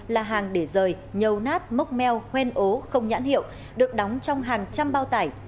là hàng để rời nhầu nát mốc meo khoen ố không nhãn hiệu được đóng trong hàng trăm bao tải